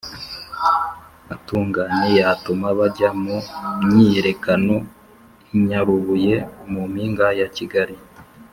atunganye yatuma bajya mu myiyerekano i nyarubuye (mu mpiga ya kigali